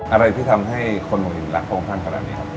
อะไรที่ทำให้คนผมเห็นรักพระองค์ท่านขนาดนี้ครับ